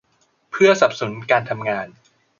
เพื่อสนับสนุนการทำงาน